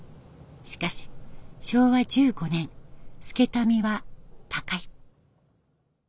しかし昭和１５年祐民は他界。